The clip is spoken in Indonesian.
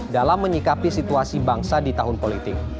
dalam menyikapi situasi bangsa di tahun politik